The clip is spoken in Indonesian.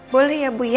boleh ya bu ya